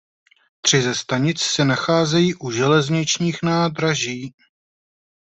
Tři ze stanic se nacházejí u železničních nádraží.